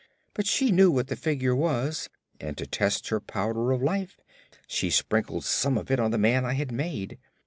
But she knew what the figure was and to test her Powder of Life she sprinkled some of it on the man I had made.